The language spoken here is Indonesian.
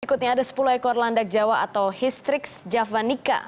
berikutnya ada sepuluh ekor landak jawa atau histrix javanica